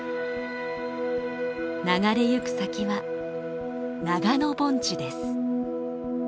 流れゆく先は長野盆地です。